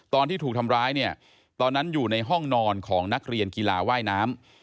ตอนที่ถูกทำร้ายเนี่ยตอนนั้นอยู่ในห้องนอนของนักเรียนกีฬาว่ายน้ำ